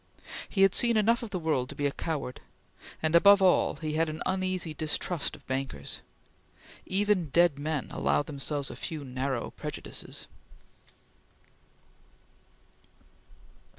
He had seen enough of the world to be a coward, and above all he had an uneasy distrust of bankers. Even dead men allow themselves a few narrow prejudices.